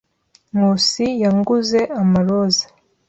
Nkusi yanguze amaroza.